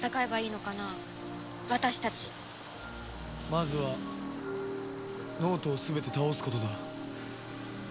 まずは脳人を全て倒すことだ。